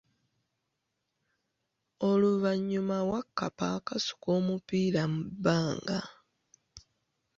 Oluvanyuma Wakkapa akasuka omupiira mu bbanga.